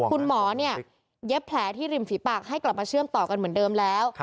คุณหมอเนี่ยเย็บแผลที่ริมฝีปากให้กลับมาเชื่อมต่อกันเหมือนเดิมแล้ว